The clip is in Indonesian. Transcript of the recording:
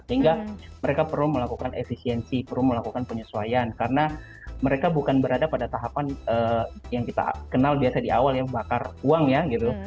sehingga mereka perlu melakukan efisiensi perlu melakukan penyesuaian karena mereka bukan berada pada tahapan yang kita kenal biasa di awal ya bakar uang ya gitu